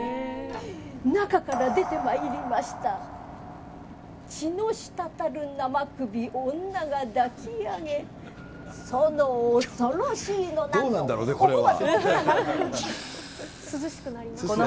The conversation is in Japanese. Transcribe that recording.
中から出てまいりました、血のしたたる生首、女が抱き上げ、その恐ろしいのなんの。